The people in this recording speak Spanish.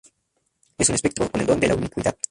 Es un espectro con el don de la ubicuidad.